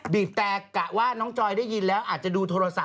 บีบแต่กะว่าน้องจอยได้ยินแล้วอาจจะดูโทรศัพ